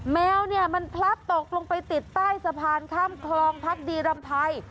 แมวเนี่ยมันพลัดตกลงไปติดใต้สะพานข้ามคลองพักดีรำภัย